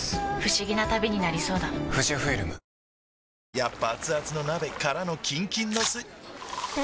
やっぱアツアツの鍋からのキンキンのスん？